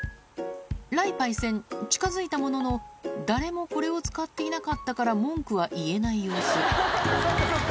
雷パイセン、近づいたものの、誰もこれを使っていなかったから文句は言えない様子。